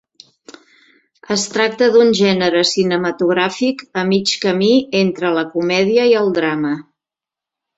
Es tracta d'un gènere cinematogràfic a mig camí entre la comèdia i el drama.